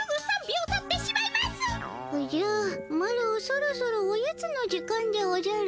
おじゃマロそろそろおやつの時間でおじゃる。